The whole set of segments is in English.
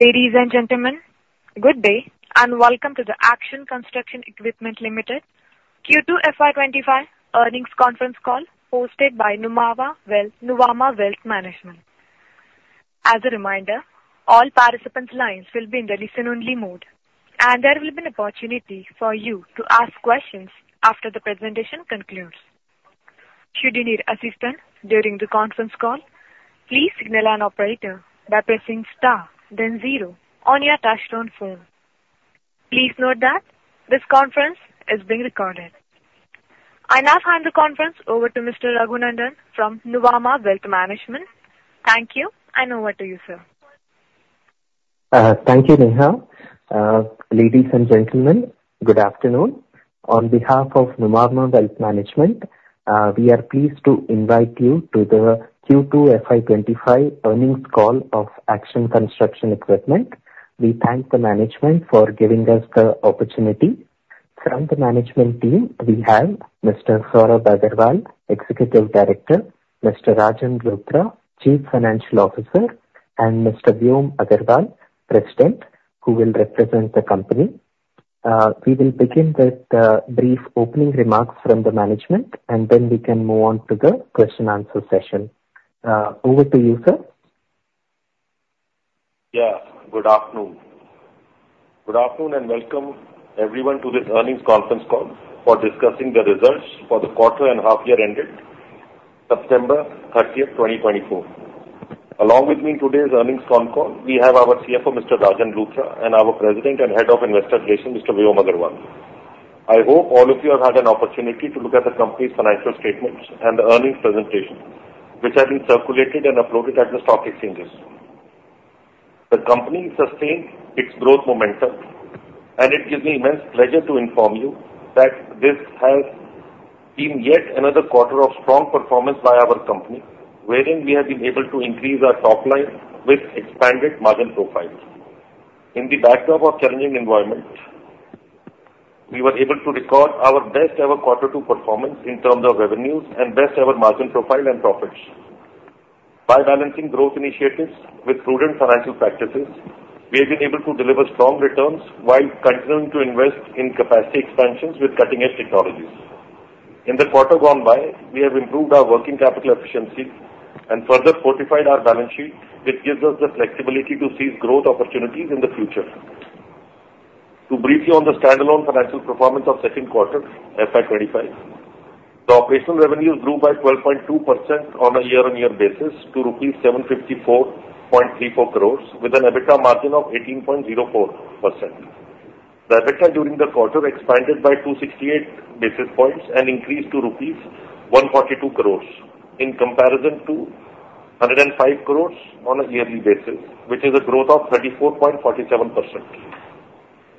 Ladies and gentlemen, good day and welcome to the Action Construction Equipment Limited Q2 FY25 earnings conference call hosted by Nuvama Wealth Management. As a reminder, all participants' lines will be in the listen-only mode, and there will be an opportunity for you to ask questions after the presentation concludes. Should you need assistance during the conference call, please signal an operator by pressing star, then zero on your touch-tone phone. Please note that this conference is being recorded. I now hand the conference over to Mr. Raghunandhan from Nuvama Wealth Management. Thank you, and over to you, sir. Thank you, Neha. Ladies and gentlemen, good afternoon. On behalf of Nuvama Wealth Management, we are pleased to invite you to the Q2 FY25 earnings call of Action Construction Equipment. We thank the management for giving us the opportunity. From the management team, we have Mr. Sorab Agarwal, Executive Director, Mr. Rajan Luthra, Chief Financial Officer, and Mr. Vyom Agarwal, President, who will represent the company. We will begin with brief opening remarks from the management, and then we can move on to the question-answer session. Over to you, sir. Yeah. Good afternoon. Good afternoon and welcome, everyone, to this earnings conference call for discussing the results for the quarter and half-year ended September 30, 2024. Along with me in today's earnings conference call, we have our CFO, Mr. Rajan Luthra, and our President and Head of Investor Relations, Mr. Vyom Agarwal. I hope all of you have had an opportunity to look at the company's financial statements and the earnings presentation, which have been circulated and uploaded at the stock exchanges. The company sustained its growth momentum, and it gives me immense pleasure to inform you that this has been yet another quarter of strong performance by our company, wherein we have been able to increase our top line with expanded margin profiles. In the backdrop of a challenging environment, we were able to record our best-ever quarter two performance in terms of revenues and best-ever margin profile and profits. By balancing growth initiatives with prudent financial practices, we have been able to deliver strong returns while continuing to invest in capacity expansions with cutting-edge technologies. In the quarter gone by, we have improved our working capital efficiency and further fortified our balance sheet, which gives us the flexibility to seize growth opportunities in the future. To brief you on the standalone financial performance of the second quarter FY25, the operational revenues grew by 12.2% on a year-on-year basis to rupees 754.34 crores, with an EBITDA margin of 18.04%. The EBITDA during the quarter expanded by 268 basis points and increased to rupees 142 crores in comparison to 105 crores on a yearly basis, which is a growth of 34.47%.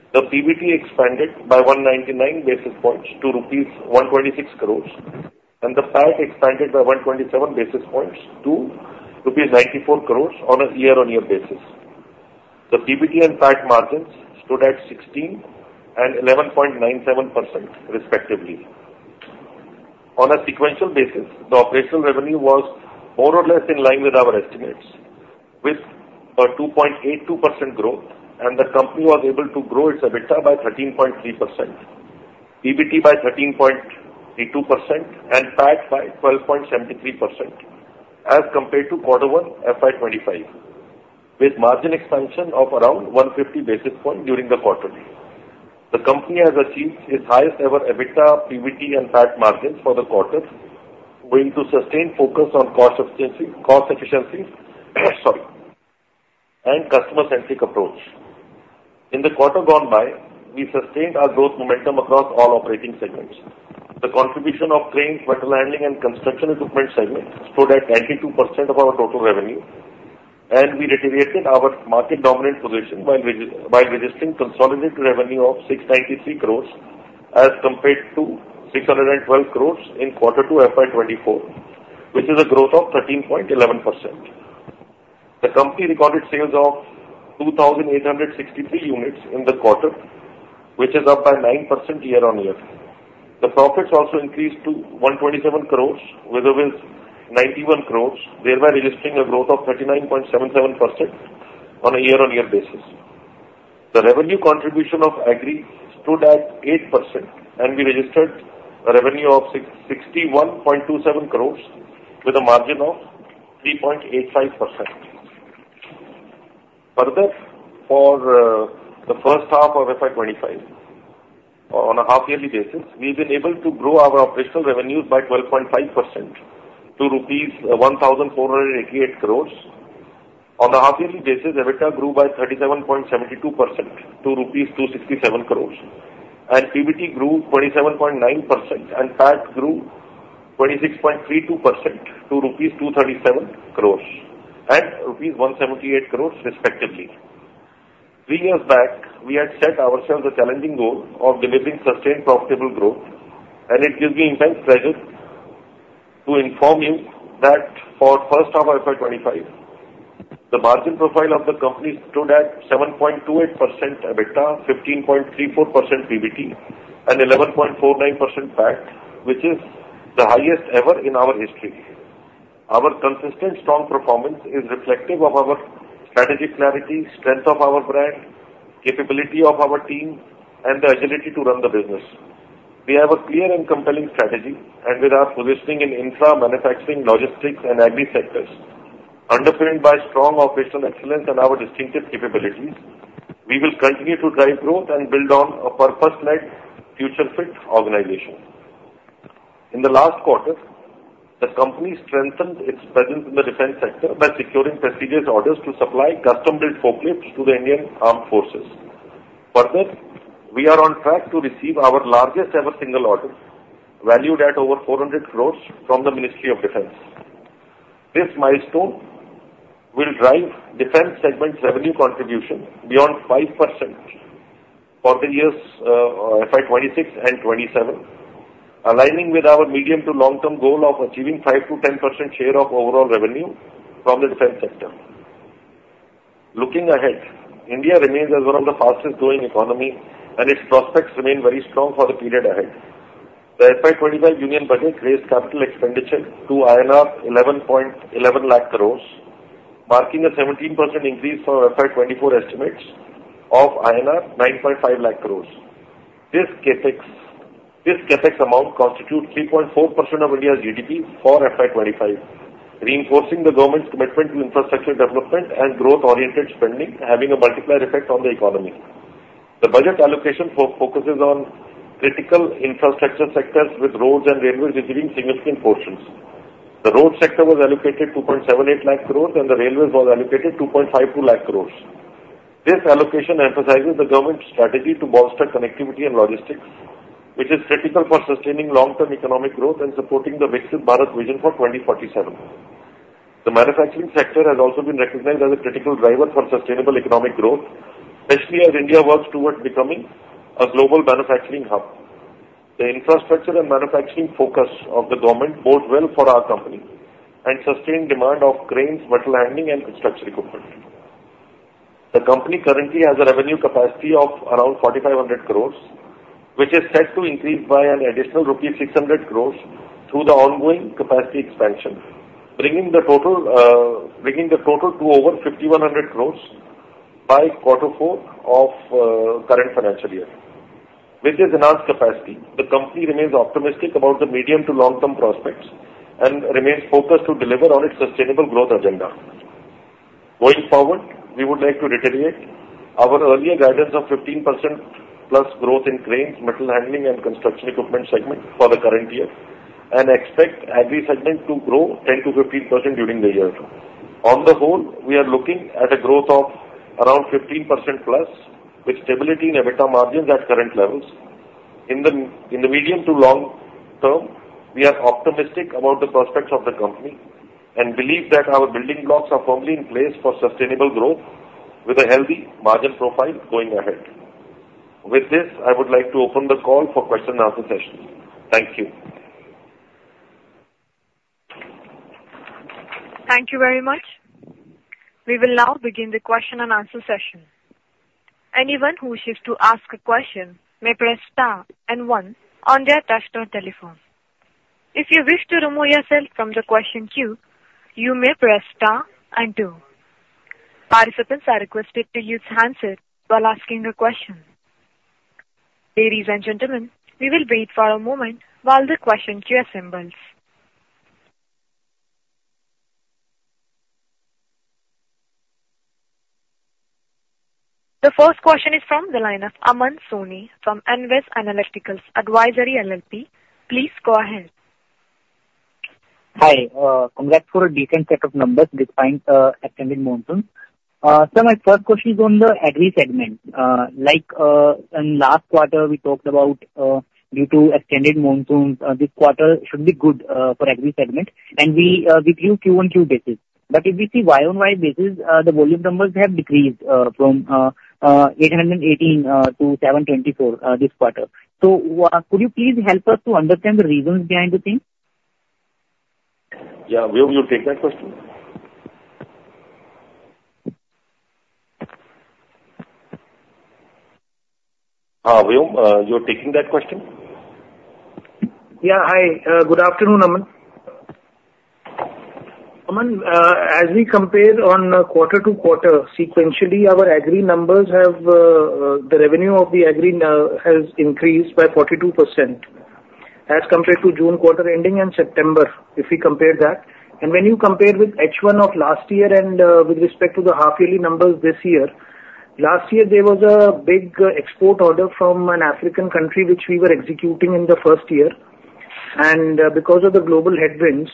The PBT expanded by 199 basis points to rupees 126 crores, and the PAT expanded by 127 basis points to rupees 94 crores on a year-on-year basis. The PBT and PAT margins stood at 16% and 11.97%, respectively. On a sequential basis, the operational revenue was more or less in line with our estimates, with a 2.82% growth, and the company was able to grow its EBITDA by 13.3%, PBT by 13.82%, and PAT by 12.73% as compared to quarter one FY25, with margin expansion of around 150 basis points during the quarter. The company has achieved its highest-ever EBITDA, PBT, and PAT margins for the quarter, going to sustain focus on cost efficiency and customer-centric approach. In the quarter gone by, we sustained our growth momentum across all operating segments. The contribution of cranes, material handling, and construction equipment segments stood at 92% of our total revenue, and we maintained our dominant market position while registering consolidated revenue of 693 crores as compared to 612 crores in quarter two FY24, which is a growth of 13.11%. The company recorded sales of 2,863 units in the quarter, which is up by 9% year-on-year. The profits also increased to 127 crores, with a PBT of 91 crores, thereby registering a growth of 39.77% on a year-on-year basis. The revenue contribution of agri stood at 8%, and we registered a revenue of 61.27 crores with a margin of 3.85%. Further, for the first half of FY25, on a half-yearly basis, we've been able to grow our operational revenues by 12.5% to rupees 1,488 crores. On the half-yearly basis, EBITDA grew by 37.72% to rupees 267 crores, and PBT grew 27.9%, and PAT grew 26.32% to rupees 237 crores and rupees 178 crores, respectively. Three years back, we had set ourselves a challenging goal of delivering sustained profitable growth, and it gives me immense pleasure to inform you that for the first half of FY25, the margin profile of the company stood at 7.28% EBITDA, 15.34% PBT, and 11.49% PAT, which is the highest ever in our history. Our consistent strong performance is reflective of our strategic clarity, strength of our brand, capability of our team, and the agility to run the business. We have a clear and compelling strategy, and with our positioning in infra, manufacturing, logistics, and agri sectors, underpinned by strong operational excellence and our distinctive capabilities, we will continue to drive growth and build on a purpose-led future-fit organization. In the last quarter, the company strengthened its presence in the defense sector by securing prestigious orders to supply custom-built forklifts to the Indian Armed Forces. Further, we are on track to receive our largest-ever single order, valued at over 400 crores, from the Ministry of Defense. This milestone will drive defense segment revenue contribution beyond 5% for the years FY26 and FY27, aligning with our medium to long-term goal of achieving 5% to 10% share of overall revenue from the defense sector. Looking ahead, India remains as one of the fastest-growing economies, and its prospects remain very strong for the period ahead. The FY '25 Union Budget raised capital expenditure to INR 11.11 lakh crores, marking a 17% increase from FY24 estimates of INR 9.5 lakh crores. This CapEx amount constitutes 3.4% of India's GDP for FY25, reinforcing the government's commitment to infrastructure development and growth-oriented spending, having a multiplier effect on the economy. The budget allocation focuses on critical infrastructure sectors, with roads and railways receiving significant portions. The road sector was allocated 2.78 lakh crores, and the railways were allocated 2.52 lakh crores. This allocation emphasizes the government's strategy to bolster connectivity and logistics, which is critical for sustaining long-term economic growth and supporting the Viksit Bharat vision for 2047. The manufacturing sector has also been recognized as a critical driver for sustainable economic growth, especially as India works towards becoming a global manufacturing hub. The infrastructure and manufacturing focus of the government bodes well for our company and sustained demand of cranes, material handling, and construction equipment. The company currently has a revenue capacity of around 4,500 crores, which is set to increase by an additional rupees 600 crores through the ongoing capacity expansion, bringing the total to over 5,100 crores by quarter four of the current financial year. With this enhanced capacity, the company remains optimistic about the medium to long-term prospects and remains focused to deliver on its sustainable growth agenda. Going forward, we would like to reiterate our earlier guidance of 15% plus growth in cranes, material handling, and construction equipment segment for the current year and expect agri segment to grow 10% to 15% during the year. On the whole, we are looking at a growth of around 15% plus with stability in EBITDA margins at current levels. In the medium to long term, we are optimistic about the prospects of the company and believe that our building blocks are firmly in place for sustainable growth with a healthy margin profile going ahead. With this, I would like to open the call for question-and-answer sessions. Thank you. Thank you very much. We will now begin the question-and-answer session. Anyone who wishes to ask a question may press star and one on their touch-tone telephone. If you wish to remove yourself from the question queue, you may press star and two. Participants are requested to use handsets while asking a question. Ladies and gentlemen, we will wait for a moment while the question queue assembles. The first question is from the line of Aman Soni from NVEST Analyticals Advisory LLP. Please go ahead. Hi. Congrats for a decent set of numbers despite the extended monsoon. Sir, my first question is on the agri segment. Like in last quarter, we talked about due to extended monsoons, this quarter should be good for agri segment, and we view Q1, Q2 basis. But if we see Y on Y basis, the volume numbers have decreased from 818 to 724 this quarter. So could you please help us to understand the reasons behind the thing? Yeah. Vyom, you'll take that question. Vyom, you're taking that question? Yeah. Hi. Good afternoon, Aman. Aman, as we compare on quarter-to-quarter, sequentially, our agri numbers have the revenue of the agri has increased by 42% as compared to June quarter ending and September if we compare that. And when you compare with H1 of last year and with respect to the half-yearly numbers this year, last year, there was a big export order from an African country, which we were executing in the first year. And because of the global headwinds,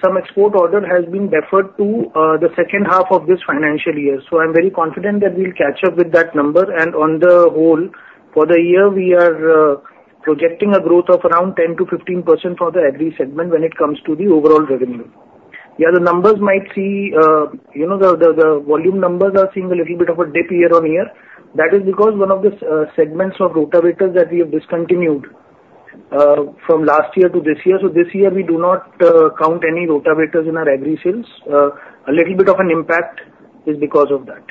some export order has been deferred to the second half of this financial year. So I'm very confident that we'll catch up with that number. And on the whole, for the year, we are projecting a growth of around 10%-15% for the agri segment when it comes to the overall revenue. Yeah, the numbers might see the volume numbers are seeing a little bit of a dip year on year. That is because one of the segments of Rotavator that we have discontinued from last year to this year. So this year, we do not count any Rotavator in our agri sales. A little bit of an impact is because of that.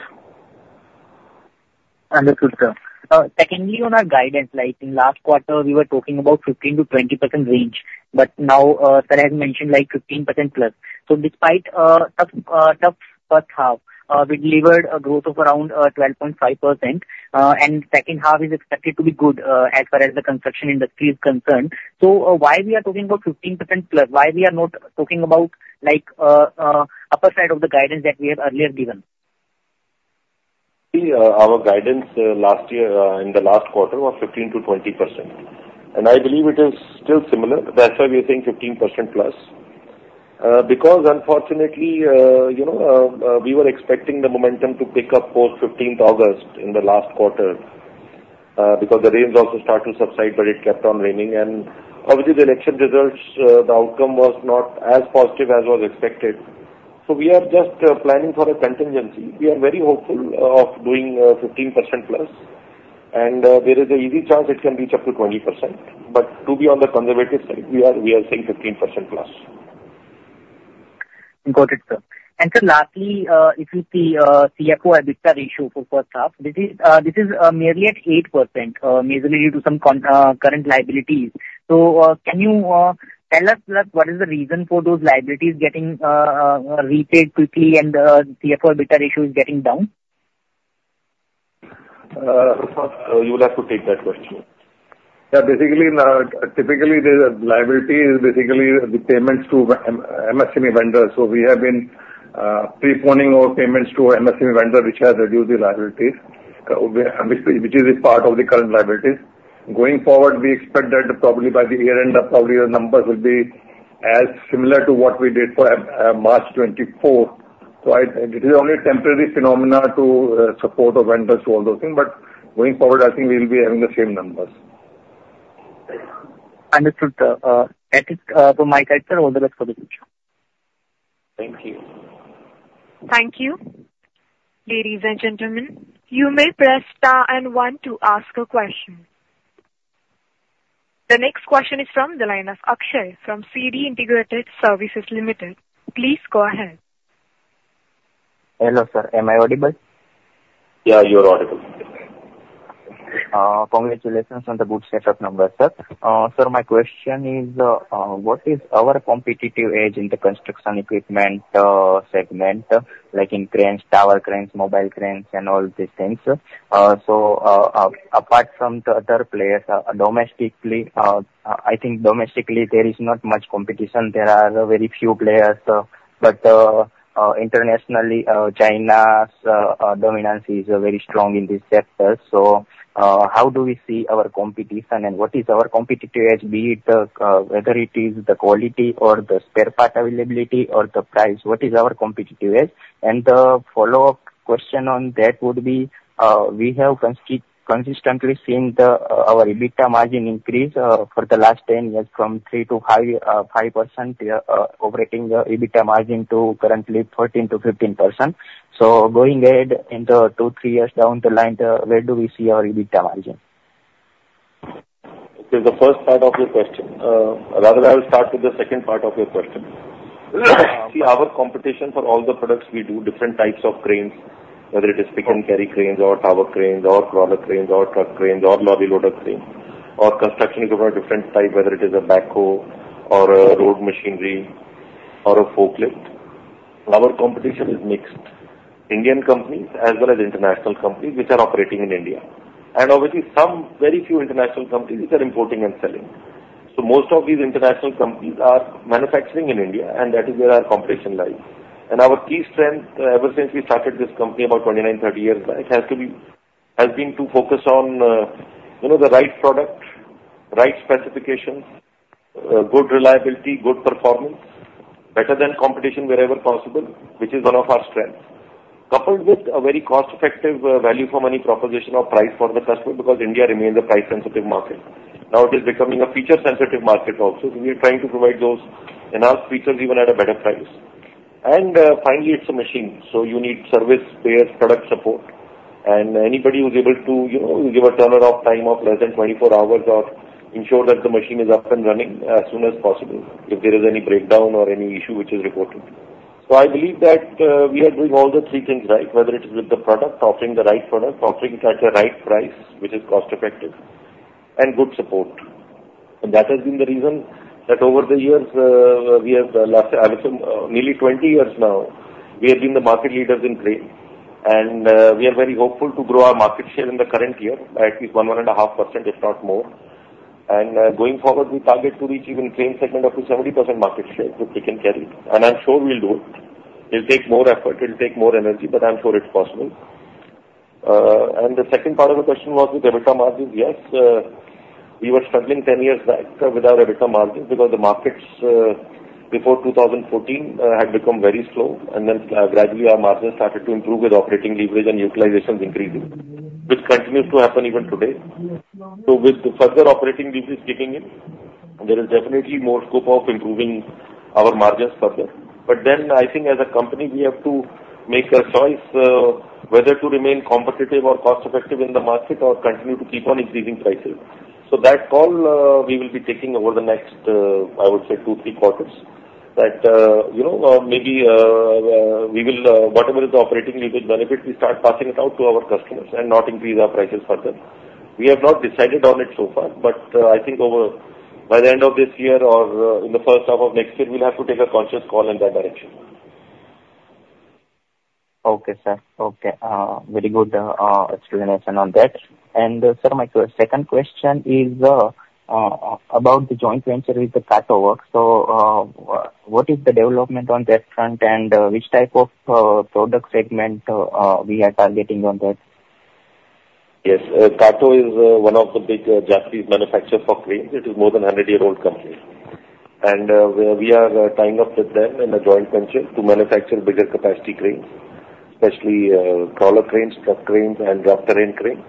Understood, sir. Secondly, on our guidance, like in last quarter, we were talking about 15%-20% range, but now, sir, I had mentioned like 15% plus. So despite a tough first half, we delivered a growth of around 12.5%, and the second half is expected to be good as far as the construction industry is concerned. So why are we talking about 15% plus? Why are we not talking about the upper side of the guidance that we have earlier given? See, our guidance last year in the last quarter was 15%-20%. And I believe it is still similar. That's why we are saying 15% plus. Because, unfortunately, we were expecting the momentum to pick up post-15th August in the last quarter because the rains also started to subside, but it kept on raining. And obviously, the election results, the outcome was not as positive as was expected. So we are just planning for a contingency. We are very hopeful of doing 15% plus, and there is a easy chance it can reach up to 20%. But to be on the conservative side, we are saying 15% plus. Got it, sir. And sir, lastly, if we see CFO EBITDA ratio for the first half, this is merely at 8%, majorly due to some current liabilities. So can you tell us what is the reason for those liabilities getting repaid quickly and CFO EBITDA ratio is getting down? You will have to take that question. Yeah. Basically, typically, the liability is basically the payments to MSME vendors. So we have been preponing our payments to MSME vendors, which has reduced the liabilities, which is a part of the current liabilities. Going forward, we expect that probably by the year-end, probably the numbers will be as similar to what we did for March 2024. So it is only a temporary phenomenon to support our vendors to all those things. But going forward, I think we will be having the same numbers. Understood, sir. Thank you from my side, sir. All the best for the future. Thank you. Thank you. Ladies and gentlemen, you may press star and one to ask a question. The next question is from the line of Akshay from CD Integrated Services Limited. Please go ahead. Hello, sir. Am I audible? Yeah, you're audible. Congratulations on the good setup numbers, sir. Sir, my question is, what is our competitive edge in the construction equipment segment, like in cranes, tower cranes, mobile cranes, and all these things? So apart from the other players, domestically, I think domestically, there is not much competition. There are very few players, but internationally, China's dominance is very strong in this sector. So how do we see our competition, and what is our competitive edge, be it whether it is the quality, or the spare part availability, or the price? What is our competitive edge? And the follow-up question on that would be, we have consistently seen our EBITDA margin increase for the last 10 years from 3%-5%, operating EBITDA margin to currently 13%-15%. So going ahead in the two, three years down the line, where do we see our EBITDA margin? Okay. The first part of your question, rather, I will start with the second part of your question. See, our competition for all the products we do, different types of cranes, whether it is pick-and-carry cranes, or tower cranes, or crawler cranes, or truck cranes, or lorry loader cranes, or construction equipment of different types, whether it is a backhoe, or a road machinery, or a forklift. Our competition is mixed: Indian companies as well as international companies which are operating in India, and obviously, some very few international companies which are importing and selling, so most of these international companies are manufacturing in India, and that is where our competition lies. And our key strength, ever since we started this company about 29, 30 years back, has been to focus on the right product, right specifications, good reliability, good performance, better than competition wherever possible, which is one of our strengths, coupled with a very cost-effective value-for-money proposition or price for the customer because India remains a price-sensitive market. Now, it is becoming a feature-sensitive market also. We are trying to provide those enhanced features even at a better price. And finally, it's a machine. So you need service-based product support. And anybody who's able to give a turnaround time of less than 24 hours or ensure that the machine is up and running as soon as possible if there is any breakdown or any issue which is reported. I believe that we are doing all the three things right, whether it is with the product, offering the right product, offering it at the right price, which is cost-effective, and good support. And that has been the reason that over the years, we have lasted nearly 20 years now. We have been the market leaders in crane, and we are very hopeful to grow our market share in the current year by at least 1.5%, if not more. And going forward, we target to reach even crane segment up to 70% market share with pick-and-carry. And I'm sure we'll do it. It'll take more effort. It'll take more energy, but I'm sure it's possible. And the second part of the question was with EBITDA margins. Yes, we were struggling 10 years back with our EBITDA margins because the markets before 2014 had become very slow. Gradually, our margins started to improve with operating leverage and utilization increasing, which continues to happen even today. With the further operating leverage kicking in, there is definitely more scope of improving our margins further. I think as a company, we have to make a choice whether to remain competitive or cost-effective in the market or continue to keep on increasing prices. That call, we will be taking over the next, I would say, two, three quarters that maybe we will, whatever is the operating leverage benefit, we start passing it out to our customers and not increase our prices further. We have not decided on it so far, but I think by the end of this year or in the first half of next year, we'll have to take a conscious call in that direction. Okay, sir. Okay. Very good explanation on that. And sir, my second question is about the joint venture with the Kato Works. So what is the development on that front, and which type of product segment we are targeting on that? Yes. Kato Works is one of the big Japanese manufacturers for cranes. It is more than a 100-year-old company. And we are tying up with them in a joint venture to manufacture bigger capacity cranes, especially crawler cranes, truck cranes, and rough-terrain cranes.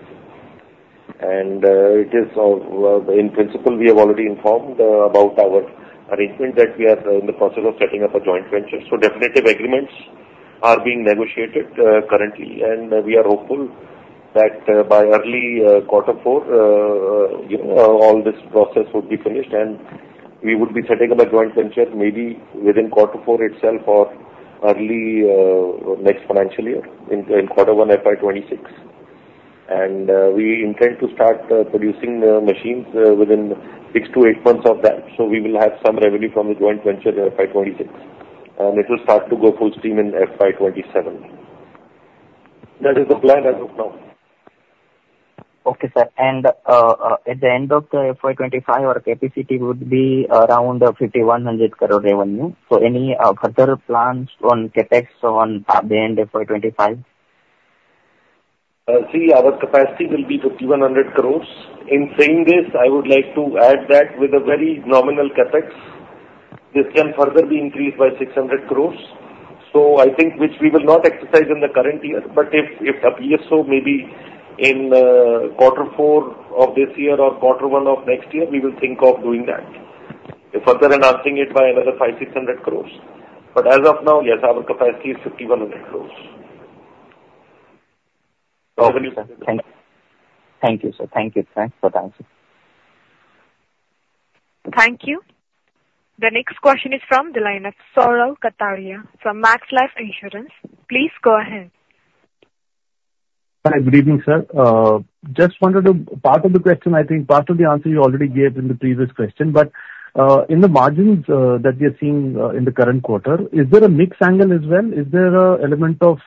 And in principle, we have already informed about our arrangement that we are in the process of setting up a joint venture. So definitive agreements are being negotiated currently, and we are hopeful that by early quarter four, all this process would be finished, and we would be setting up a joint venture maybe within quarter four itself or early next financial year in quarter one FY26. And we intend to start producing machines within six to eight months of that. So we will have some revenue from the joint venture FY26, and it will start to go full steam in FY27. That is the plan as of now. Okay, sir. And at the end of the FY25, our capacity would be around 5,100 crore revenue. So any further plans on CapEx on the end of FY25? See, our capacity will be 5,100 crores. In saying this, I would like to add that with a very nominal CapEx, this can further be increased by 600 crores. So I think which we will not exercise in the current year, but if it appears so, maybe in quarter four of this year or quarter one of next year, we will think of doing that, further enhancing it by another 5,600 crores. But as of now, yes, our capacity is 5,100 crores. Okay. Thank you, sir. Thank you for the answer. Thank you. The next question is from the line of Sahil Kataria from Max Life Insurance. Please go ahead. Hi. Good evening, sir. Just wanted to ask part of the question. I think part of the answer you already gave in the previous question, but in the margins that we are seeing in the current quarter, is there a mix angle as well? Is there an element of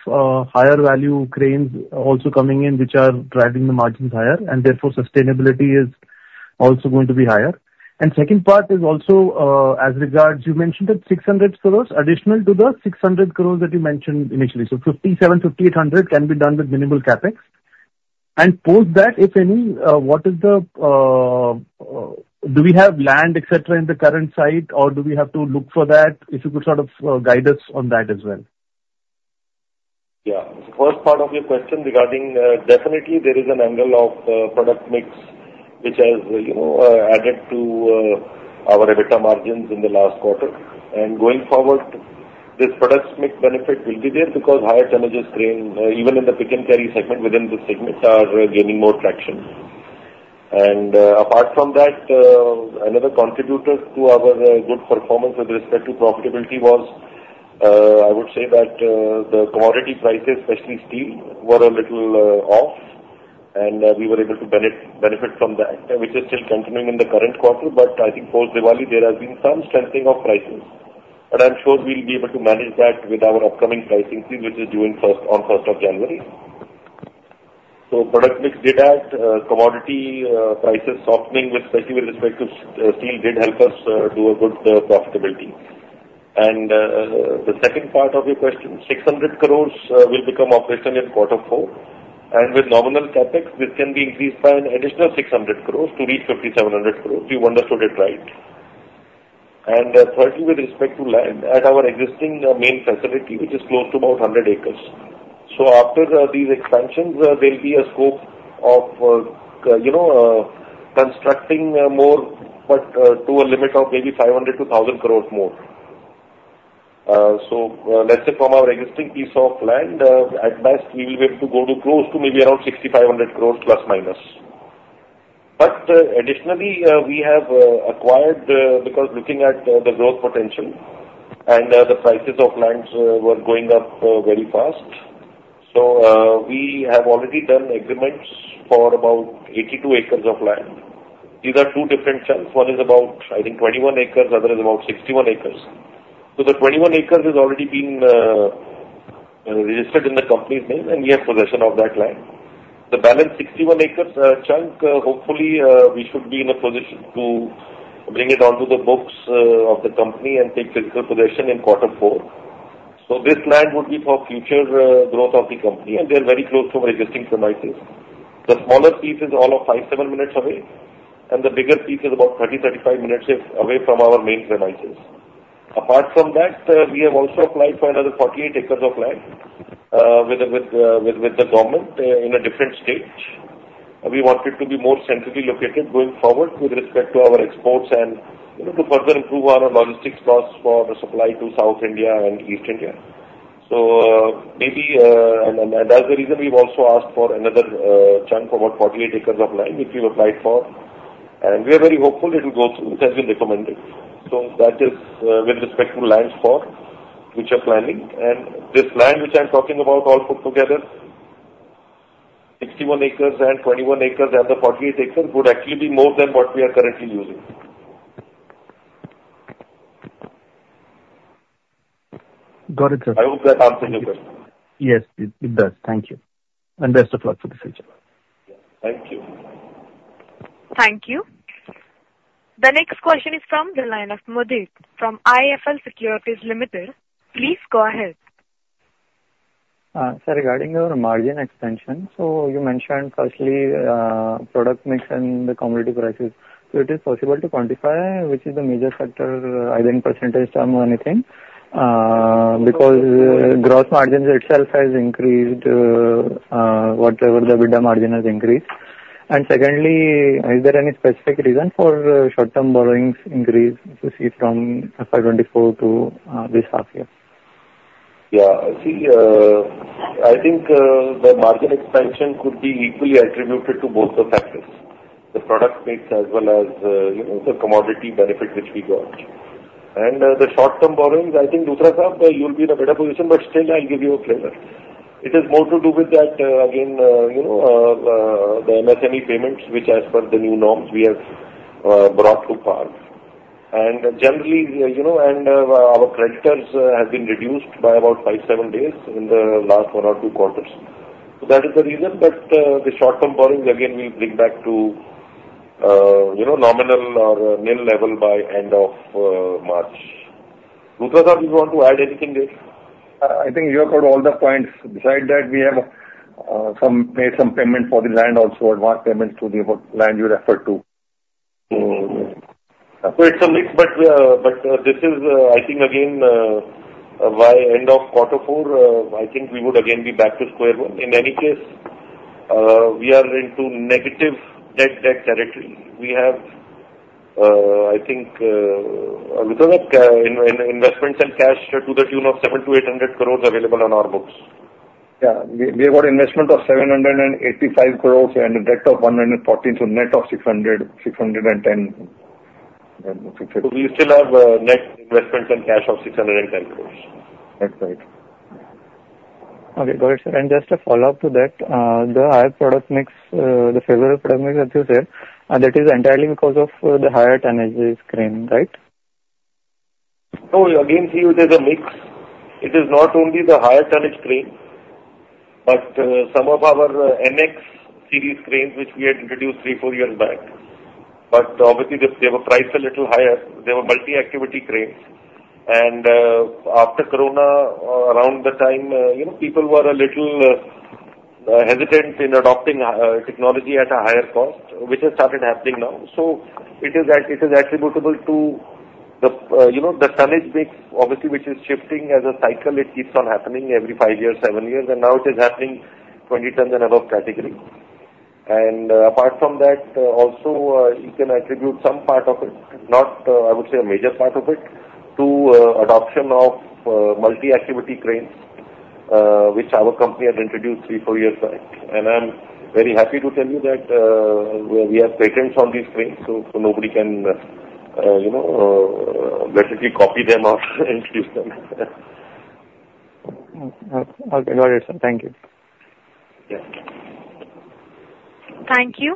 higher value cranes also coming in, which are driving the margins higher, and therefore sustainability is also going to be higher? And second part is also as regards, you mentioned that 600 crores additional to the 600 crores that you mentioned initially. So 5,700, 5,800 can be done with minimal CapEx. And post that, if any, what is, do we have land, etc., in the current site, or do we have to look for that? If you could sort of guide us on that as well. Yeah. First part of your question regarding, definitely, there is an angle of product mix which has added to our EBITDA margins in the last quarter. And going forward, this product mix benefit will be there because higher tonnages crane, even in the pick-and-carry segment within the segment, are gaining more traction. And apart from that, another contributor to our good performance with respect to profitability was, I would say, that the commodity prices, especially steel, were a little off, and we were able to benefit from that, which is still continuing in the current quarter. But I think post-Diwali, there has been some strengthening of prices, but I'm sure we'll be able to manage that with our upcoming pricing increase, which is due on 1st of January. So product mix did add commodity prices softening, especially with respect to steel, did help us do a good profitability. The second part of your question, 600 crores will become operational in quarter four. And with nominal CapEx, this can be increased by an additional 600 crores to reach 5,700 crores. You understood it right. And thirdly, with respect to land at our existing main facility, which is close to about 100 acres. So after these expansions, there will be a scope of constructing more, but to a limit of maybe 500-1,000 crores more. So let's say from our existing piece of land, at best, we will be able to go close to maybe around 6,500 crores plus minus. But additionally, we have acquired because looking at the growth potential and the prices of land were going up very fast. So we have already done agreements for about 82 acres of land. These are two different chunks. One is about, I think, 21 acres. The other is about 61 acres. So the 21 acres has already been registered in the company's name, and we have possession of that land. The balance 61 acres chunk, hopefully, we should be in a position to bring it onto the books of the company and take physical possession in quarter four. So this land would be for future growth of the company, and they're very close to our existing premises. The smaller piece is all of 5-7 minutes away, and the bigger piece is about 30-35 minutes away from our main premises. Apart from that, we have also applied for another 48 acres of land with the government in a different stage. We want it to be more centrally located going forward with respect to our exports and to further improve our logistics costs for the supply to South India and East India. So maybe, and that's the reason we've also asked for another chunk for about 48 acres of land which we've applied for. And we are very hopeful it will go through. It has been recommended. So that is with respect to land plot which we are planning. And this land which I'm talking about all put together, 61 acres and 21 acres and the 48 acres would actually be more than what we are currently using. Got it, sir. I hope that answers your question. Yes, it does. Thank you. And best of luck for the future. Thank you. Thank you. The next question is from the line of Mudit from IIFL Securities Limited. Please go ahead. Sir, regarding your margin expansion, so you mentioned firstly product mix and the commodity prices. So is it possible to quantify which is the major factor, either in percentage terms or anything, because gross margins itself has increased whatever the EBITDA margin has increased. And secondly, is there any specific reason for short-term borrowings increase to see from FY24 to this half year? Yeah. See, I think the margin expansion could be equally attributed to both the factors, the product mix as well as the commodity benefit which we got. And the short-term borrowings, I think, Luthra-saab, you'll be in a better position, but still, I'll give you a flavor. It has more to do with that, again, the MSME payments which, as per the new norms, we have brought to pass. And generally, our creditors have been reduced by about 5-7 days in the last one or two quarters. So that is the reason. But the short-term borrowings, again, we'll bring back to nominal or nil level by end of March. Luthra-saab, you want to add anything there? I think you have covered all the points. Besides that, we have made some payment for the land also, advance payments to the land you referred to. So it's a mix, but this is, I think, again, by end of quarter four, I think we would again be back to square one. In any case, we are into negative debt territory. We have, I think, a lot of investments and cash to the tune of 700-800 crores available on our books. Yeah. We have got investment of 785 crores and a debt of 114, so net of 610. We still have net investments and cash of 610 crores. That's right. Okay. Got it, sir. And just a follow-up to that, the higher product mix, the favorable product mix, as you said, that is entirely because of the higher tonnage crane, right? No. Again, see, there's a mix. It is not only the higher tonnage crane, but some of our NX series Cranes which we had introduced three, four years back. But obviously, they were priced a little higher. They were multi-activity cranes. And after Corona, around the time, people were a little hesitant in adopting technology at a higher cost, which has started happening now. So it is attributable to the tonnage mix, obviously, which is shifting as a cycle. It keeps on happening every five years, seven years. And now it is happening 20 tons and above category. And apart from that, also, you can attribute some part of it, not, I would say, a major part of it, to adoption of multi-activity cranes which our company had introduced three, four years back. I'm very happy to tell you that we have patents on these cranes, so nobody can basically copy them or introduce them. Okay. Got it, sir. Thank you. Thank you.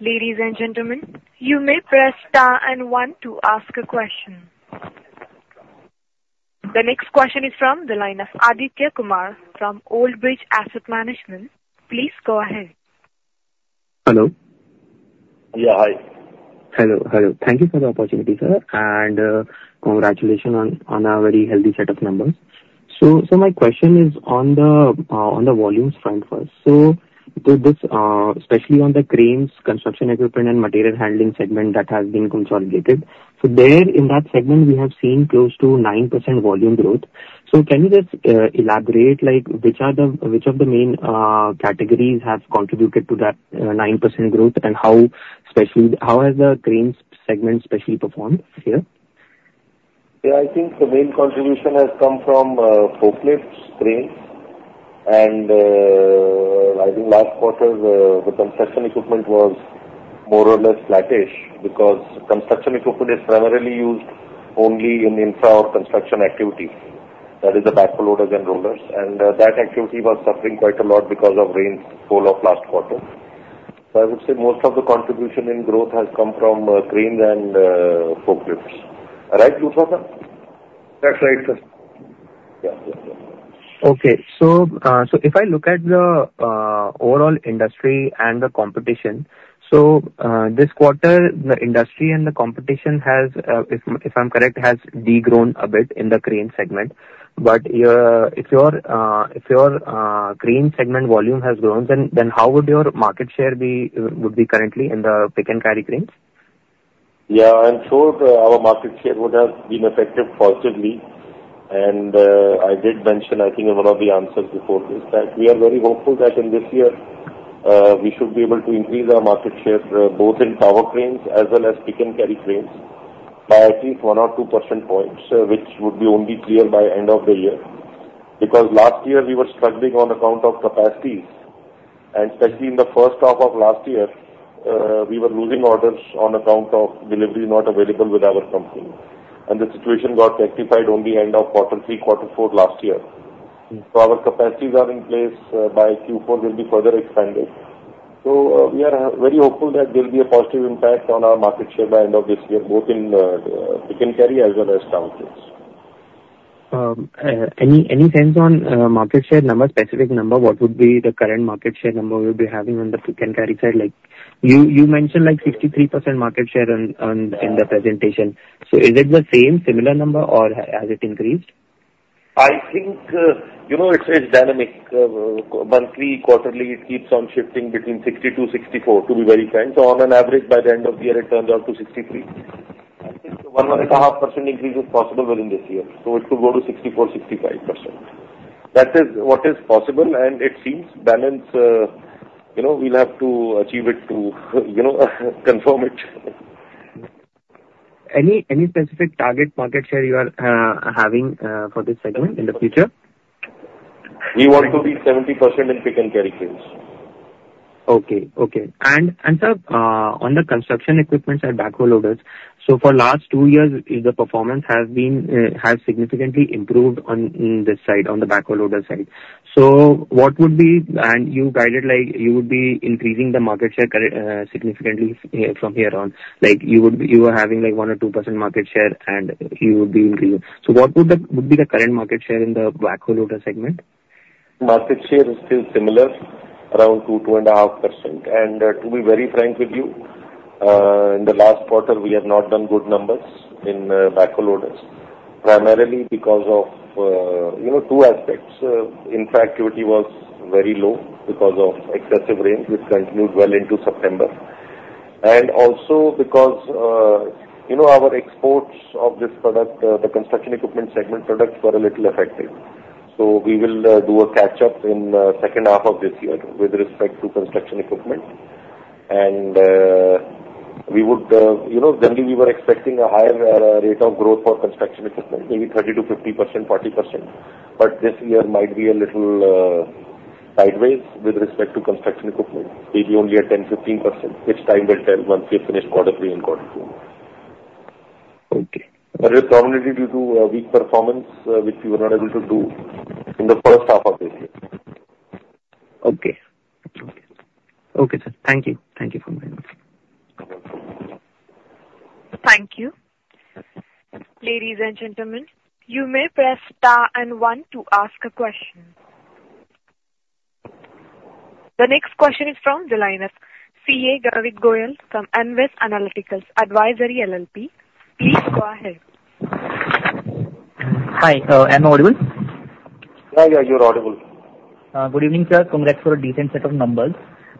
Ladies and gentlemen, you may press star and one to ask a question. The next question is from the line of Aditya Kumar from Old Bridge Asset Management. Please go ahead. Hello. Yeah. Hi. Hello. Hello. Thank you for the opportunity, sir. Congratulations on a very healthy set of numbers. My question is on the volumes front first. Especially on the cranes, construction equipment, and material handling segment that has been consolidated, so there in that segment, we have seen close to 9% volume growth. Can you just elaborate which of the main categories have contributed to that 9% growth, and how has the crane segment specially performed here? Yeah. I think the main contribution has come from forklifts, cranes. And I think last quarter, the construction equipment was more or less flattish because construction equipment is primarily used only in infra or construction activity. That is the backhoe loaders and rollers. And that activity was suffering quite a lot because of rainfall of last quarter. So I would say most of the contribution in growth has come from cranes and forklifts. Right, Dutra Sahib? That's right, sir. Yeah. Okay. So if I look at the overall industry and the competition, so this quarter, the industry and the competition has, if I'm correct, degrown a bit in the crane segment. But if your crane segment volume has grown, then how would your market share be currently in the pick-and-carry cranes? Yeah. I'm sure our market share would have been affected positively. And I did mention, I think, in one of the answers before this that we are very hopeful that in this year, we should be able to increase our market share both in tower cranes as well as pick-and-carry cranes by at least 1 or 2 percentage points, which would be only clear by end of the year. Because last year, we were struggling on account of capacities. And especially in the first half of last year, we were losing orders on account of delivery not available with our company. And the situation got rectified only end of quarter three, quarter four last year. So our capacities are in place by Q4, will be further expanded. We are very hopeful that there will be a positive impact on our market share by end of this year, both in pick-and-carry as well as tower cranes. Any sense on market share number, specific number? What would be the current market share number we'll be having on the pick-and-carry side? You mentioned 53% market share in the presentation. So is it the same, similar number, or has it increased? I think it's dynamic. Monthly, quarterly, it keeps on shifting between 60%-64%, to be very kind. So on an average, by the end of the year, it turns out to 63%. I think the 1.5% increase is possible within this year. So it could go to 64%-65%. That is what is possible and it seems balance we'll have to achieve it to confirm it. Any specific target market share you are having for this segment in the future? We want to be 70% in pick-and-carry cranes. And sir, on the construction equipments and backhoe loaders, so for last two years, the performance has significantly improved on this side, on the backhoe loader side. So what would be, and you guided like you would be increasing the market share significantly from here on. You were having one or two% market share, and you would be increasing. So what would be the current market share in the backhoe loader segment? Market share is still similar, around 2%-2.5%. And to be very frank with you, in the last quarter, we have not done good numbers in backhoe loaders, primarily because of two aspects. Infra activity was very low because of excessive rain, which continued well into September. And also because our exports of this product, the construction equipment segment products, were a little affected. So we will do a catch-up in the second half of this year with respect to construction equipment. And we would generally be expecting a higher rate of growth for construction equipment, maybe 30%-50%, 40%. But this year might be a little sideways with respect to construction equipment, maybe only at 10%-15%, which time will tell once we finish Q3 and Q4. Okay. But it's probably due to weak performance, which we were not able to do in the first half of this year. Okay. Okay. Okay, sir. Thank you. Thank you for coming. Thank you. Ladies and gentlemen, you may press star and one to ask a question. The next question is from the line of CA Garvik Goyal from NVES Analyticals Advisory LLP. Please go ahead. Hi. Am I audible? Yeah. Yeah. You're audible. Good evening, sir. Congrats for a decent set of numbers.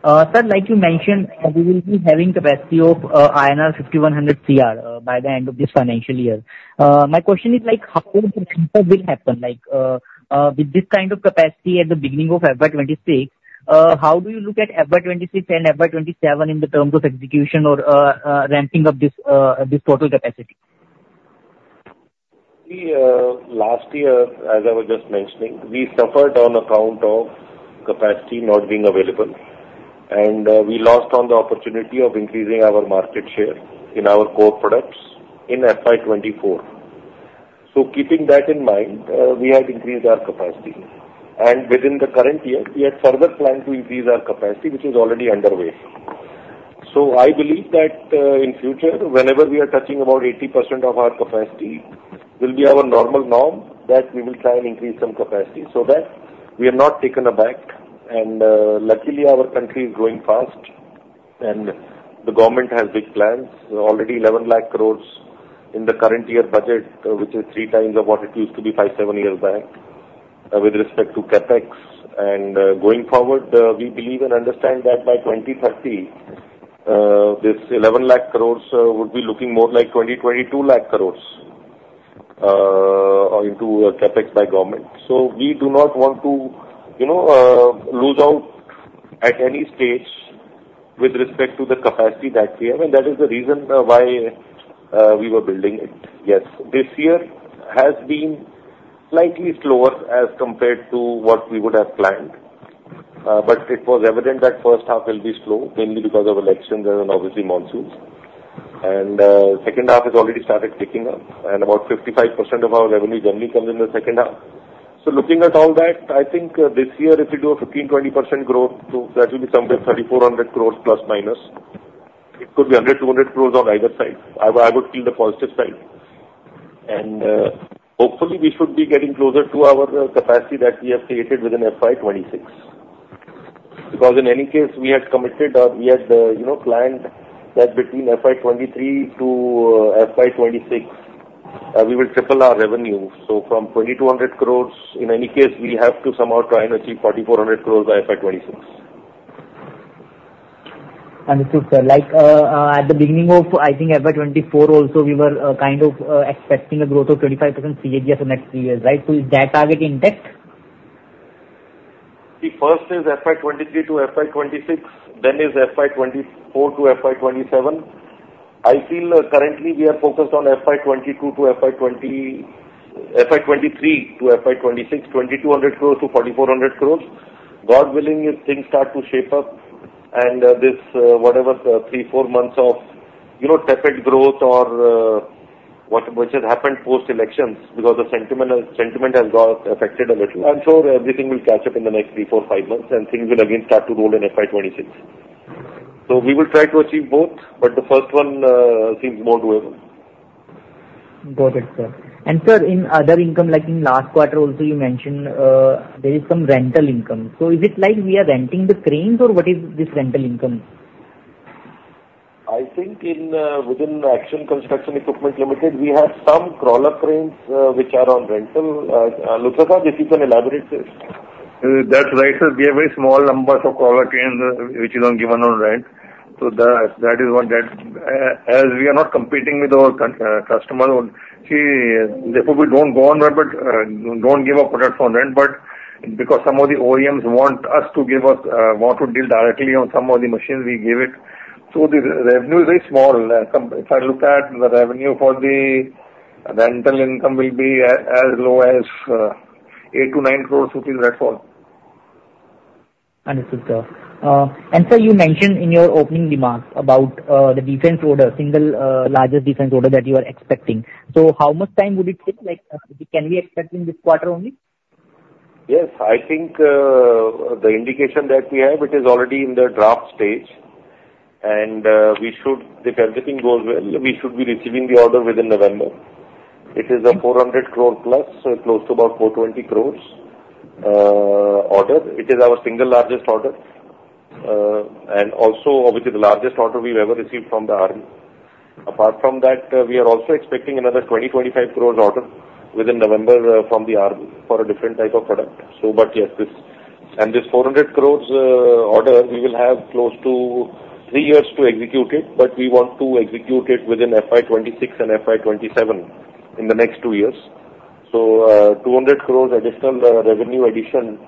Sir, like you mentioned, we will be having capacity of INR 5,100 CR by the end of this financial year. My question is, how will this happen? With this kind of capacity at the beginning of FY26, how do you look at FY26 and FY27 in the terms of execution or ramping up this total capacity? Last year, as I was just mentioning, we suffered on account of capacity not being available, and we lost on the opportunity of increasing our market share in our core products in FY24, so keeping that in mind, we had increased our capacity, and within the current year, we had further planned to increase our capacity, which is already underway, so I believe that in future, whenever we are touching about 80% of our capacity, it will be our normal norm that we will try and increase some capacity so that we are not taken aback, and luckily, our country is growing fast, and the government has big plans, already 11 lakh crores in the current year budget, which is three times of what it used to be five, seven years back with respect to CapEx. Going forward, we believe and understand that by 2030, this 11 lakh crore would be looking more like 20-22 lakh crore into CapEx by government. We do not want to lose out at any stage with respect to the capacity that we have. That is the reason why we were building it. Yes. This year has been slightly slower as compared to what we would have planned. It was evident that first half will be slow, mainly because of elections and obviously monsoons. The second half has already started picking up. About 55% of our revenue generally comes in the second half. Looking at all that, I think this year, if we do a 15-20% growth, that will be somewhere 3,400 crore plus minus. It could be 100-200 crore on either side. I would feel the positive side. And hopefully, we should be getting closer to our capacity that we have created within FY26. Because in any case, we had committed or we had planned that between FY23 to FY26, we will triple our revenue. So from 2,200 crores, in any case, we have to somehow try and achieve 4,400 crores by FY26. Understood, sir. At the beginning of, I think, FY24 also, we were kind of expecting a growth of 25% CAGR for next three years, right? So is that target intact? See, first is FY23 to FY26, then is FY24 to FY27. I feel currently we are focused on FY22 to FY23 to FY26, 2,200 crores to 4,400 crores. God willing, if things start to shape up and this whatever three, four months of tepid growth or which has happened post-elections because the sentiment has got affected a little, I'm sure everything will catch up in the next three, four, five months, and things will again start to roll in FY26. So we will try to achieve both, but the first one seems more doable. Got it, sir. And sir, in other income, like in last quarter also, you mentioned there is some rental income. So is it like we are renting the cranes, or what is this rental income? I think within Action Construction Equipment Limited, we have some crawler cranes which are on rental. Luthra Sahib, if you can elaborate. That's right, sir. We have very small numbers of crawler cranes which are given on rent. So that is what that as we are not competing with our customer. See, therefore we don't go on rent, but don't give our products on rent. But because some of the OEMs want us to give us, want to deal directly on some of the machines, we give it. So the revenue is very small. If I look at the revenue for the rental income, it will be as low as 8-9 crores to be rentable. Understood, sir. And sir, you mentioned in your opening remarks about the defense order, single largest defense order that you are expecting. So how much time would it take? Can we expect in this quarter only? Yes. I think the indication that we have. It is already in the draft stage. And if everything goes well, we should be receiving the order within November. It is an 400 crore plus, so close to about 420 crores order. It is our single largest order. And also, obviously, the largest order we've ever received from the army. Apart from that, we are also expecting another 20-25 crores order within November from the army for a different type of product. So but yes, this and this 400 crores order, we will have close to three years to execute it, but we want to execute it within FY26 and FY27 in the next two years. 200 crores additional revenue addition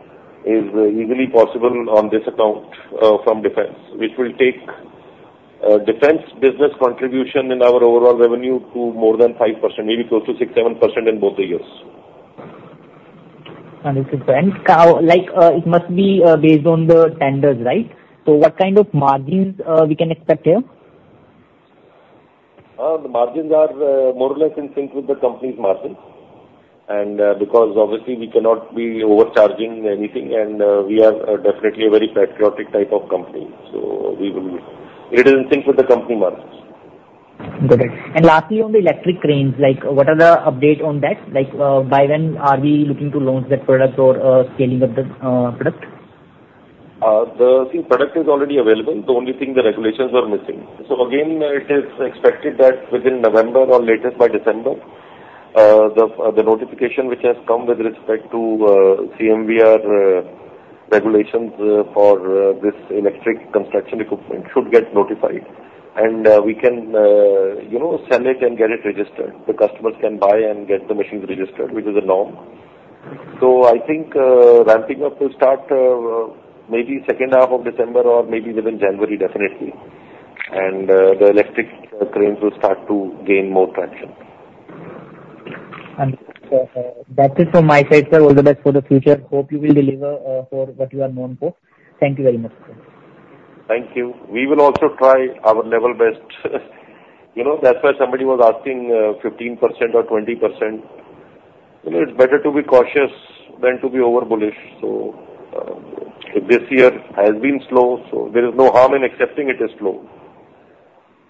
is easily possible on this account from defense, which will take defense business contribution in our overall revenue to more than 5%, maybe close to 6-7% in both the years. Understood. And it must be based on the tenders, right? So what kind of margins we can expect here? The margins are more or less in sync with the company's margins. And because obviously, we cannot be overcharging anything, and we are definitely a very patriotic type of company. So it is in sync with the company margins. Got it. And lastly, on the electric cranes, what are the updates on that? By when are we looking to launch that product or scaling up the product? The product is already available. The only thing, the regulations are missing, so again, it is expected that within November or latest by December, the notification which has come with respect to CMVR regulations for this electric construction equipment should get notified, and we can sell it and get it registered. The customers can buy and get the machines registered, which is the norm, so I think ramping up will start maybe second half of December or maybe within January, definitely, and the electric cranes will start to gain more traction. Understood, sir. That's it from my side, sir. All the best for the future. Hope you will deliver for what you are known for. Thank you very much, sir. Thank you. We will also try our level best. That's why somebody was asking 15% or 20%. It's better to be cautious than to be over bullish. So this year has been slow. So there is no harm in accepting it is slow.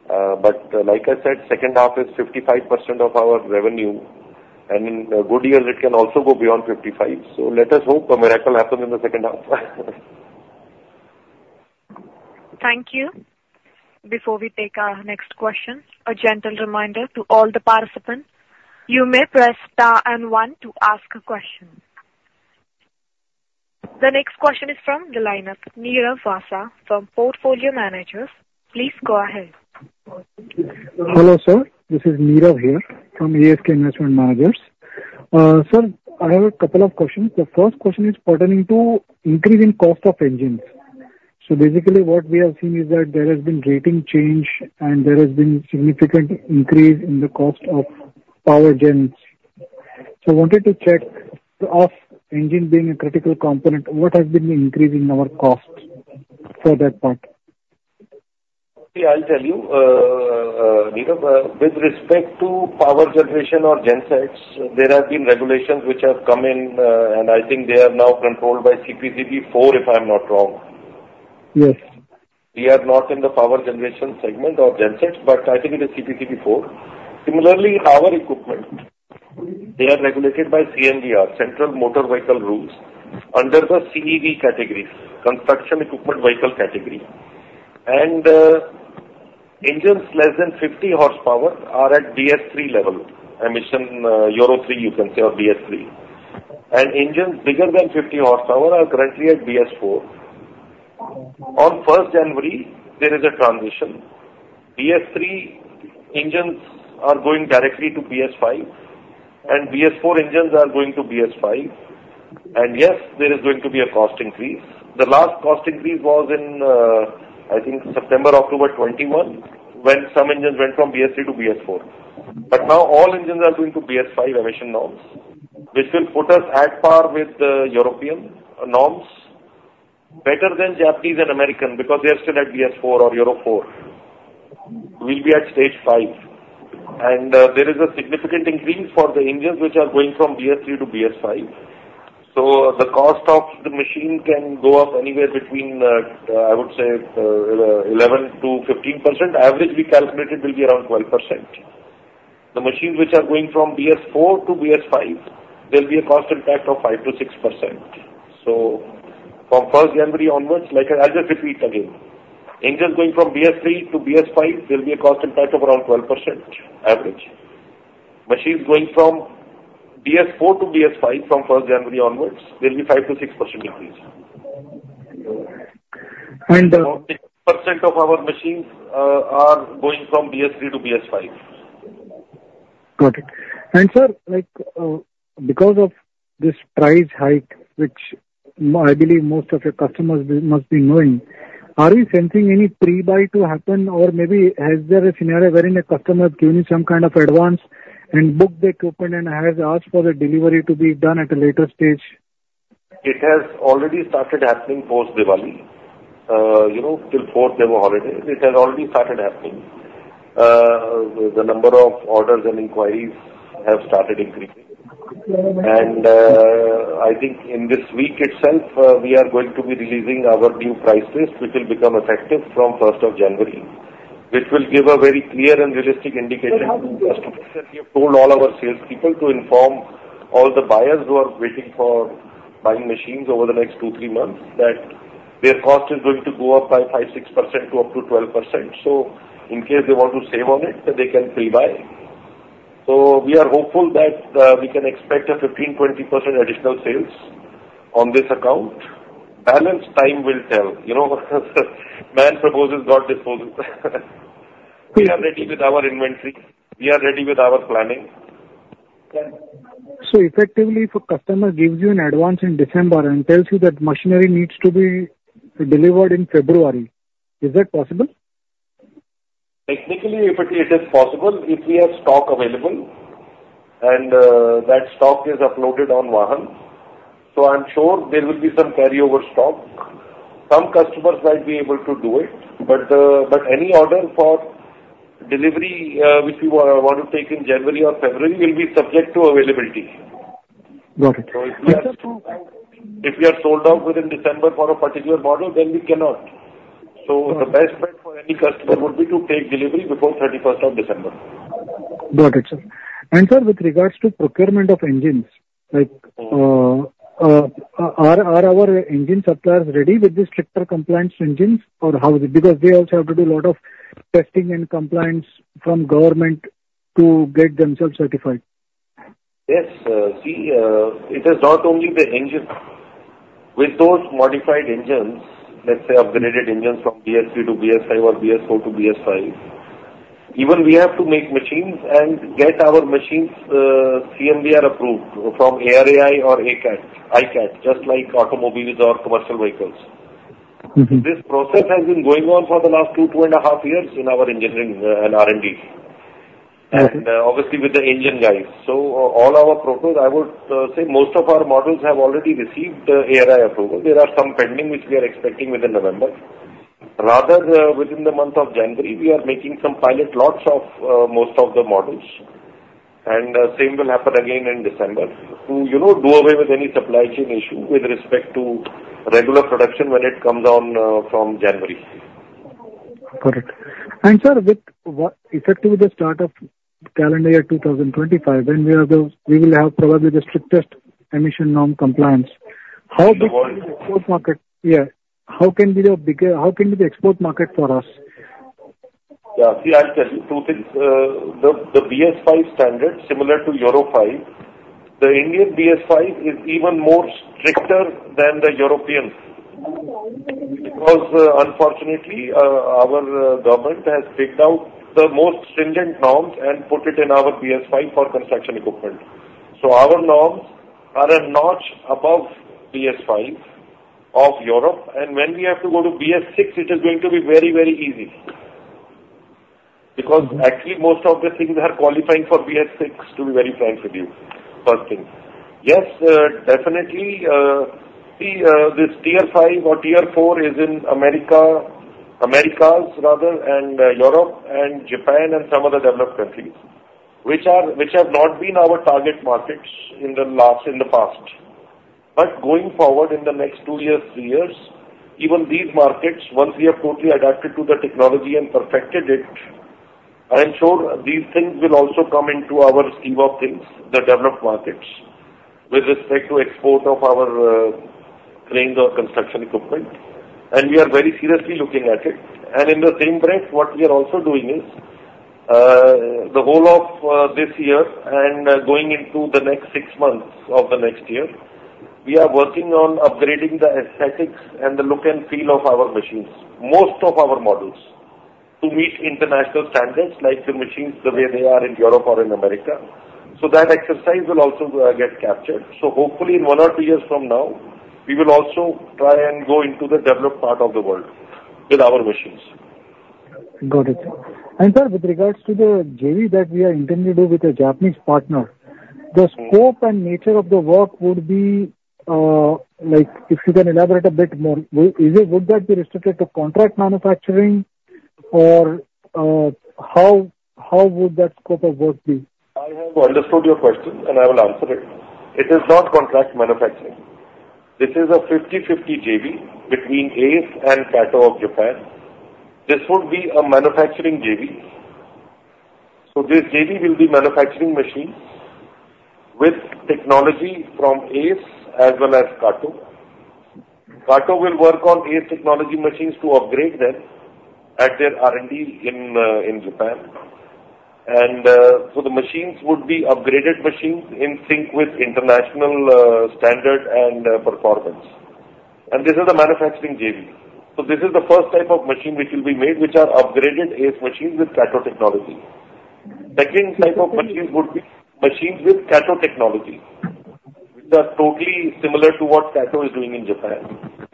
But like I said, second half is 55% of our revenue. And in good years, it can also go beyond 55. So let us hope a miracle happens in the second half. Thank you. Before we take our next question, a gentle reminder to all the participants. You may press star and one to ask a question. The next question is from the line of Nirav Vasa from Portfolio Managers. Please go ahead. Hello, sir. This is Nirav here from ASK Investment Managers. Sir, I have a couple of questions. The first question is pertaining to increase in cost of engines. So basically, what we have seen is that there has been rating change, and there has been significant increase in the cost of power gens. So I wanted to check, of engine being a critical component, what has been the increase in our cost for that part? See, I'll tell you, Nirav, with respect to power generation or gen sets, there have been regulations which have come in, and I think they are now controlled by CPCB IV+, if I'm not wrong. Yes. We are not in the power generation segment or gen sets, but I think it is CPCP IV. Similarly, our equipment, they are regulated by CMVR, Central Motor Vehicles Rules, under the CEV categories, Construction Equipment Vehicle category, and engines less than 50 horsepower are at BS III level, emission Euro III, you can say, or BS III, and engines bigger than 50 horsepower are currently at BS IV. On 1st January, there is a transition. BS III engines are going directly to BS V, and BS IV engines are going to BS V, and yes, there is going to be a cost increase. The last cost increase was in, I think, September, October 2021, when some engines went from BS III to BS IV, but now all engines are going to BS V emission norms, which will put us at par with the European norms, better than Japanese and American because they are still at BS IV or Euro IV. We'll be at stage V, and there is a significant increase for the engines which are going from BS III to BS IV, so the cost of the machine can go up anywhere between, I would say, 11%-15%. Average, we calculated, will be around 12%. The machines which are going from BS IV to BS V, there'll be a cost impact of 5%-6%, so from 1st January onwards, I'll just repeat again. Engines going from BS III to BS V, there'll be a cost impact of around 12% average. Machines going from BS IV to BS V, from 1st January onwards, there'll be 5%-6% increase. And. 40% of our machines are going from BS III to BS V. Got it. And, sir, because of this price hike, which I believe most of your customers must be knowing, are we sensing any pre-buy to happen? Or maybe has there a scenario wherein a customer has given you some kind of advance and booked the equipment and has asked for the delivery to be done at a later stage? It has already started happening post-Diwali, till 4th December holiday. It has already started happening. The number of orders and inquiries have started increasing. And I think in this week itself, we are going to be releasing our new price list, which will become effective from 1st of January, which will give a very clear and realistic indication to customers. We have told all our salespeople to inform all the buyers who are waiting for buying machines over the next two, three months that their cost is going to go up by 5-6% to up to 12%. So in case they want to save on it, they can pre-buy. So we are hopeful that we can expect a 15-20% additional sales on this account. Time will tell. Man proposes, God disposes. We are ready with our inventory. We are ready with our planning. So effectively, if a customer gives you an advance in December and tells you that machinery needs to be delivered in February, is that possible? Technically, it is possible if we have stock available and that stock is uploaded on VAHAN. So I'm sure there will be some carryover stock. Some customers might be able to do it. But any order for delivery which we want to take in January or February will be subject to availability. Got it. If we are sold out within December for a particular model, then we cannot. The best bet for any customer would be to take delivery before 31st of December. Got it, sir. And sir, with regards to procurement of engines, are our engine suppliers ready with these stricter compliance engines? Or how is it? Because they also have to do a lot of testing and compliance from government to get themselves certified. Yes. See, it is not only the engine. With those modified engines, let's say upgraded engines from BS III to BS V or BS IV to BS V, even we have to make machines and get our machines CMVR approved from ARAI or ICAT, just like automobiles or commercial vehicles. This process has been going on for the last two, two and a half years in our engineering and R&D. And obviously with the engine guys. So all our protos, I would say most of our models have already received ARAI approval. There are some pending which we are expecting within November. Rather, within the month of January, we are making some pilot lots of most of the models. And same will happen again in December. So do away with any supply chain issue with respect to regular production when it comes on from January. Got it. And, sir, effectively, the start of calendar year 2025, then we will have probably the strictest emission norm compliance. How big is the export market? Yeah. How can it be bigger? How big can the export market be for us? Yeah. See, I'll tell you two things. The BS V standard, similar to Euro V, the Indian BS V is even more stricter than the European because unfortunately, our government has picked out the most stringent norms and put it in our BS V for construction equipment. So our norms are a notch above BS V of Europe. And when we have to go to BS VI, it is going to be very, very easy. Because actually, most of the things are qualifying for BS VI, to be very frank with you. First thing. Yes, definitely. See, this Tier 5 or Tier 4 is in America, Americas rather, and Europe and Japan and some other developed countries, which have not been our target markets in the past. But going forward in the next two years, three years, even these markets, once we have totally adapted to the technology and perfected it, I am sure these things will also come into our scheme of things, the developed markets, with respect to export of our cranes or construction equipment. And we are very seriously looking at it. And in the same breath, what we are also doing is the whole of this year and going into the next six months of the next year, we are working on upgrading the aesthetics and the look and feel of our machines, most of our models, to meet international standards like the machines the way they are in Europe or in America. So that exercise will also get captured. So hopefully, in one or two years from now, we will also try and go into the developed part of the world with our machines. Got it, and sir, with regards to the JV that we are intending to do with a Japanese partner, the scope and nature of the work would be if you can elaborate a bit more, would that be restricted to contract manufacturing? Or how would that scope of work be? I have understood your question, and I will answer it. It is not contract manufacturing. This is a 50-50 JV between ACE and KATO of Japan. This would be a manufacturing JV, so this JV will be manufacturing machines with technology from ACE as well as KATO. KATO will work on ACE technology machines to upgrade them at their R&D in Japan, and so the machines would be upgraded machines in sync with international standard and performance, and this is a manufacturing JV, so this is the first type of machine which will be made, which are upgraded ACE machines with KATO technology. Second type of machines would be machines with KATO technology, which are totally similar to what KATO is doing in Japan,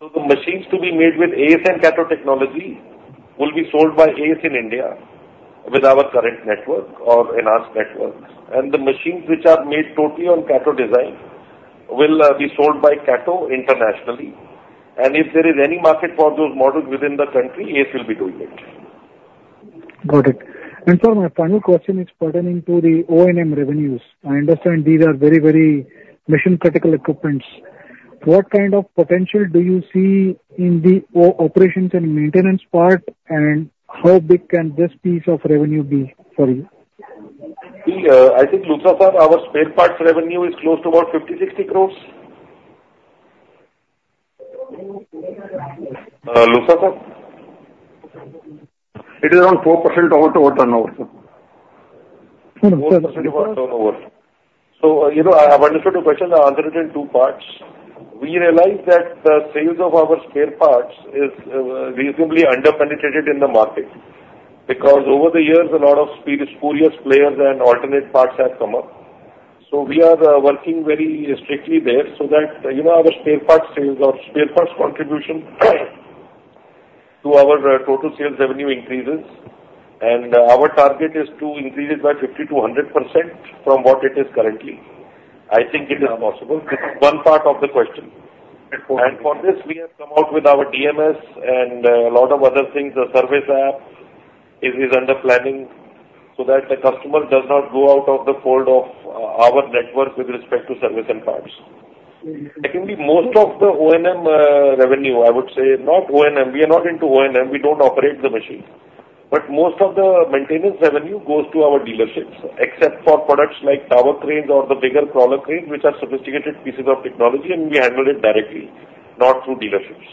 so the machines to be made with ACE and KATO technology will be sold by ACE in India with our current network or enhanced networks. The machines which are made totally on Kato design will be sold by Kato internationally. If there is any market for those models within the country, ACE will be doing it. Got it. And sir, my final question is pertaining to the O&M revenues. I understand these are very, very mission-critical equipments. What kind of potential do you see in the operations and maintenance part, and how big can this piece of revenue be for you? See, I think, Luthra-saab, our spare parts revenue is close to about 50-60 crores. Luthra sir? It is around 4% over turnover, sir. 4% over turnover? So I have understood your question. I'll answer it in two parts. We realize that the sales of our spare parts is reasonably underpenetrated in the market because over the years, a lot of spurious players and alternate parts have come up. So we are working very strictly there so that our spare parts sales or spare parts contribution to our total sales revenue increases. And our target is to increase it by 50%-100% from what it is currently. I think it is possible. This is one part of the question. And for this, we have come out with our DMS and a lot of other things. The service app is under planning so that the customer does not go out of the fold of our network with respect to service and parts. Secondly, most of the O&M revenue, I would say, not O&M, we are not into O&M. We don't operate the machine. But most of the maintenance revenue goes to our dealerships, except for products like power cranes or the bigger crawler cranes, which are sophisticated pieces of technology, and we handle it directly, not through dealerships.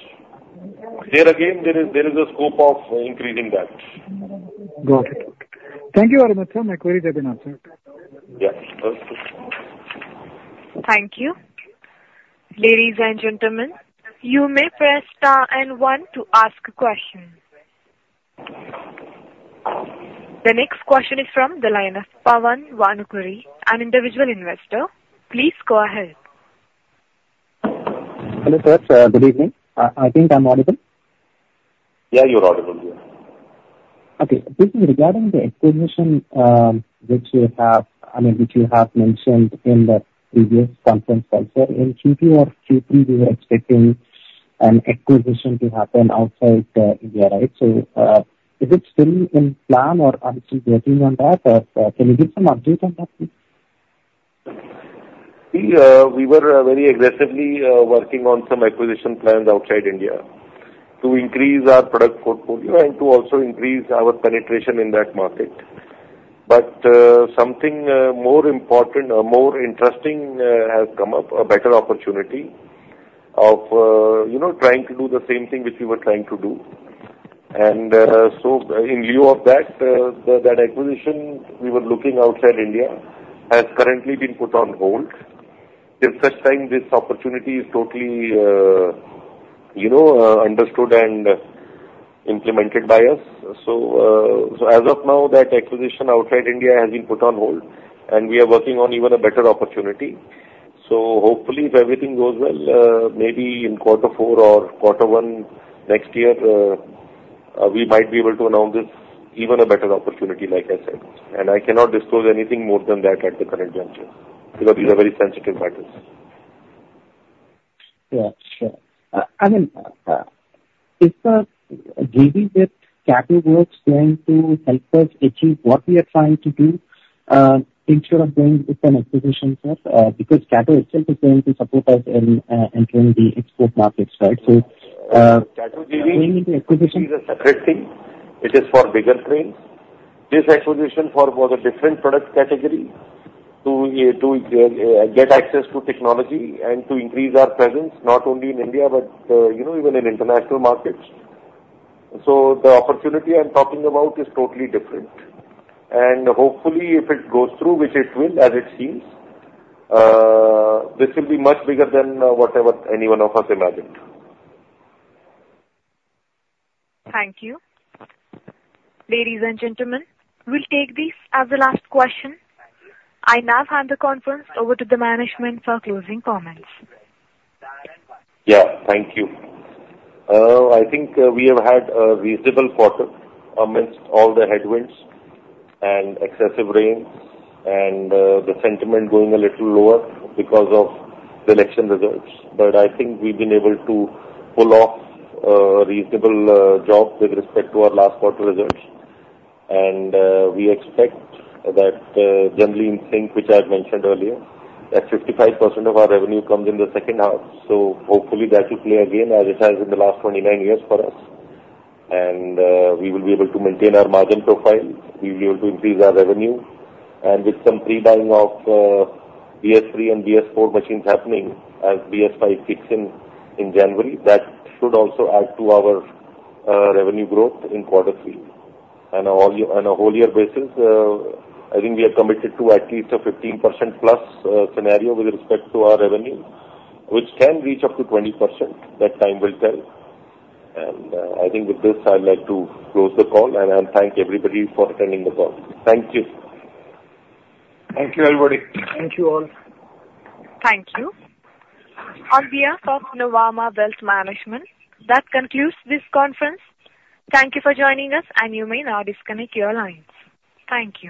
There again, there is a scope of increasing that. Got it. Thank you very much, sir. My queries have been answered. Yeah. Thank you. Thank you. Ladies and gentlemen, you may press star and one to ask a question. The next question is from Pavan Vanukuri, an individual investor. Please go ahead. Hello sir, good evening. I think I'm audible. Yeah, you're audible, yeah. Okay. This is regarding the acquisition which you have I mean mentioned in the previous conference also. In Q2 or Q3, we were expecting an acquisition to happen outside India, right? So is it still in plan or are you still working on that? Or can you give some update on that? See, we were very aggressively working on some acquisition plans outside India to increase our product portfolio and to also increase our penetration in that market. But something more important or more interesting has come up, a better opportunity of trying to do the same thing which we were trying to do. And so in lieu of that, that acquisition we were looking outside India has currently been put on hold. At such time, this opportunity is totally understood and implemented by us. So as of now, that acquisition outside India has been put on hold, and we are working on even a better opportunity. So hopefully, if everything goes well, maybe in quarter four or quarter one next year, we might be able to announce this even a better opportunity, like I said. I cannot disclose anything more than that at the current juncture because these are very sensitive matters. Yeah. Sure. I mean, is the JV with Kato Works going to help us achieve what we are trying to do instead of going with an acquisition, sir? Because Kato itself is going to support us in entering the export markets, right? So going into acquisition. Kato JV is a separate thing. It is for bigger cranes. This acquisition for both a different product category to get access to technology and to increase our presence not only in India but even in international markets. So the opportunity I'm talking about is totally different. And hopefully, if it goes through, which it will, as it seems, this will be much bigger than whatever any one of us imagined. Thank you. Ladies and gentlemen, we'll take this as the last question. I now hand the conference over to the management for closing comments. Yeah. Thank you. I think we have had a reasonable quarter amidst all the headwinds and excessive rains and the sentiment going a little lower because of the election results. But I think we've been able to pull off a reasonable job with respect to our last quarter results. And we expect that generally in sync, which I've mentioned earlier, that 55% of our revenue comes in the second half. So hopefully, that will play again as it has in the last 29 years for us. And we will be able to maintain our margin profile. We will be able to increase our revenue. And with some pre-buying of BS III and BS IV machines happening as BS V kicks in in January, that should also add to our revenue growth in quarter three. And on a whole year basis, I think we are committed to at least a 15% plus scenario with respect to our revenue, which can reach up to 20%. That time will tell. And I think with this, I'd like to close the call and thank everybody for attending the call. Thank you. Thank you, everybody. Thank you all. Thank you. On behalf of Nuvama Wealth Management, that concludes this conference. Thank you for joining us, and you may now disconnect your lines. Thank you.